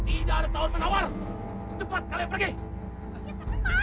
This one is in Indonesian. iya enak sitten